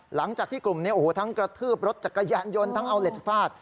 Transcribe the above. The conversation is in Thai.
หลังจากที่กลุ่มนี้โอ้โหทั้งกระทืบรถจักรยานยนต์ทั้งเอาเหล็กฟาด